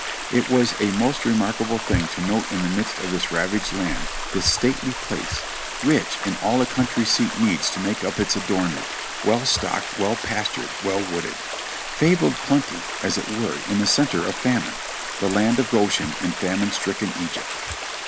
It was a most remarkable thing to note in the midst of this ravaged land, this stately place, rich in all a country seat needs to make up its adornment, well stocked, well pastured, well wooded, — fabled plenty, as it were, in the centre of famine, — the land of Goshen in famine stricken Egypt.